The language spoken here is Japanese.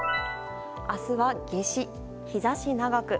明日は夏至、日差し長く。